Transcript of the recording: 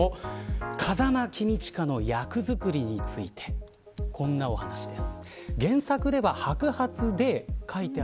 風間公親の役作りについてこんなお話です。